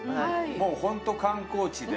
もう本当観光地で。